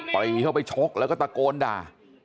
ปรีเข้าไปชกแล้วก็ตะโกนด่า